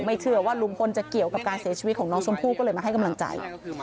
ไม่เชื่อว่าลุงพลจะเกี่ยวกับการเสียชีวิตของน้องชมพู่ก็เลยมาให้กำลังใจ